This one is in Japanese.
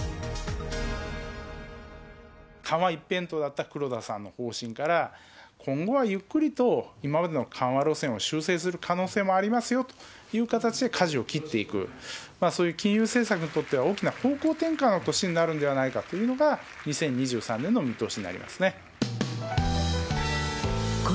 緩和一辺倒だった黒田さんの方針から今後はゆっくりと、今までの緩和路線を修正する可能性もありますよという形でかじを切っていく、そういう金融政策にとっては大きな方向転換の年になるのではないかというのが、２０２３年の見通しになりますね。